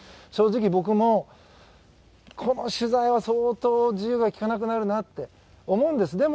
正直、僕も、この取材は相当自由が利かなくなるなって思うんです。